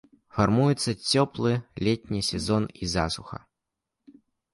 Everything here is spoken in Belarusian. Фармуецца цёплы летні сезон і засуха.